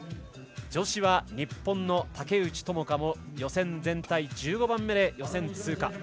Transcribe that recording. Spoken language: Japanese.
女子は日本の竹内智香も予選全体１５番目で予選通過。